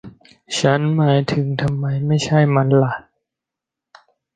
ฉันหมายถึง ทำไมไม่ใช่มันหละ